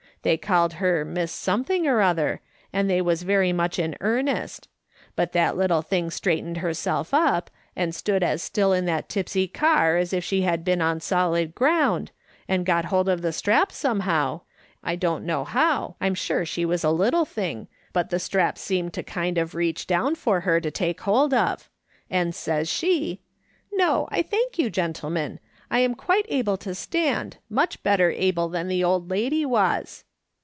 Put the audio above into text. They called her Miss something or other, and they was very much in earnest ; but that little thing straightened herself up, and stood as still in that tipsy car as if she had been on solid ground, and got hold of the strap somehow, I don't know how — I'm sure she was a little thing, but the strap seemed to kind of reach down for her to take hold of, and says she :"' No, I thank you, gentlemen. I'm quite able to stand ; much better able than the old lady was.'